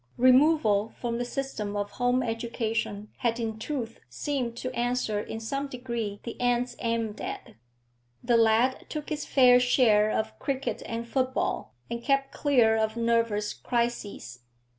Removal from the system of home education had in truth seemed to answer in some degree the ends aimed at; the lad took his fair share of cricket and football, and kept clear of nervous crises.